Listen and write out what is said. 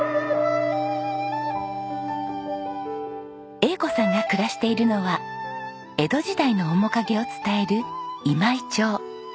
栄子さんが暮らしているのは江戸時代の面影を伝える今井町。